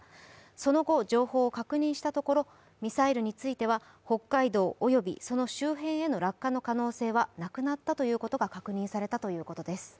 その後、情報を確認したところ、ミサイルについては北海道およびその周辺への落下の可能性はなくなったと見られます。